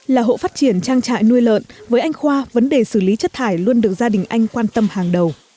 là hộ phát triển trang trại nuôi lợn với anh khoa vấn đề xử lý chất thải luôn được gia đình anh quan tâm hàng đầu